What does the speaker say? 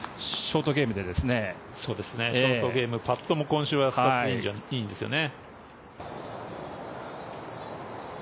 ショートゲームもパットも今週はいいんですよね。